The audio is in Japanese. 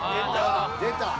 出た。